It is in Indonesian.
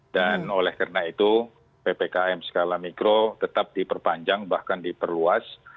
dan oleh karena itu ppkm skala mikro tetap diperpanjang bahkan diperluas